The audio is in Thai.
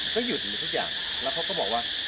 ก็หยุดทุกอย่างแล้วเขาก็บอกว่า